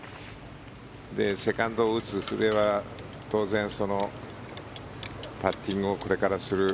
セカンドを打つ古江は当然、パッティングをこれからする。